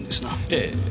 ええ。